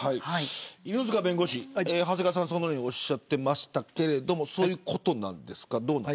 犬塚弁護士、長谷川さんはそのようにおっしゃってますがそういうことなんですか。